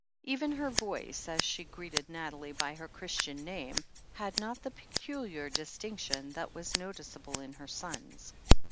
Even her voice, as she greeted Nathalie by her Christian name, had not the peculiar distinction that was noticeable in her son's.